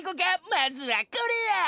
まずはこれや！